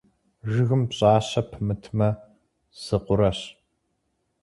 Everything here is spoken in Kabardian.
Жыгым пщӀащэ пымытмэ, зы къурэщ.